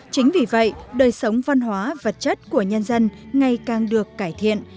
chính vì vậy đời sống văn hóa vật chất của nhân dân ngày càng được cải thiện